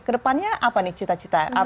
kedepannya apa nih cita cita